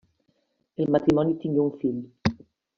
El matrimoni tingué un fill.